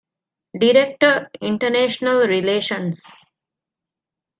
ޑިރެކްޓަރ، އިންޓަރނޭޝަނަލް ރިލޭޝަންސް